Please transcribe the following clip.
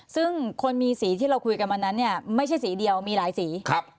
ซึ่งคนมีสีที่เราคุยกันวันนั้นเนี่ยไม่ใช่สีเดียวมีหลายสี